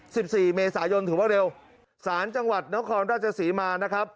สิบสี่เมษายนถือว่าเร็วสารจังหวัดนครราชศรีมานะครับ